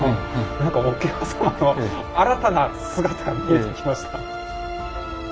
何か桶狭間の新たな姿見えてきました。